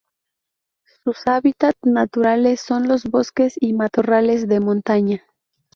Sus hábitat naturales son los bosques y matorrales de montaña.